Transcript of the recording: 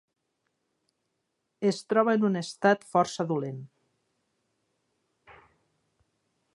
Es troba en un estat força dolent.